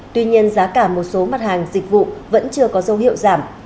tuy nhiên giá cả một số mặt hàng dịch vụ vẫn chưa có dấu hiệu giảm